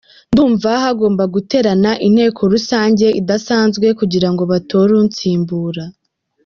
Ndumva hagomba guterana inteko rusange idasanzwe kugira ngo batore unsimbura.